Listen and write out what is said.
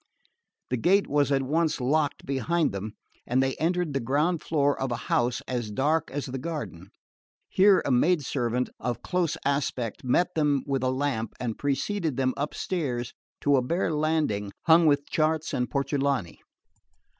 The gate was at once locked behind them and they entered the ground floor of a house as dark as the garden. Here a maid servant of close aspect met them with a lamp and preceded them upstairs to a bare landing hung with charts and portulani.